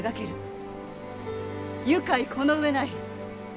愉快この上ない！